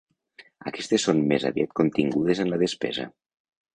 Aquestes són més aviat contingudes en la despesa.